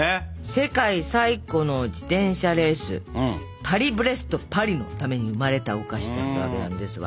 世界最古の自転車レース「パリ・ブレスト・パリ」のために生まれたお菓子だったわけなんですが。